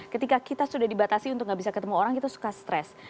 ketika kita sudah dibatasi untuk gak bisa ketemu orang kita suka stres